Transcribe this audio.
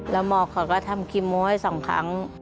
แล้วหมอกเขาก็ทำคิมโม้ให้สองครั้ง